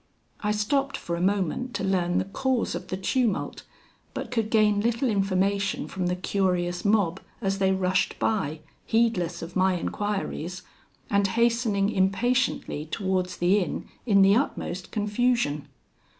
I stopped for a moment to learn the cause of the tumult, but could gain little information from the curious mob as they rushed by, heedless of my enquiries, and hastening impatiently towards the inn in the utmost confusion.